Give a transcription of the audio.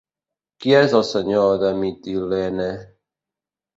Qui és el senyor de Mitilene?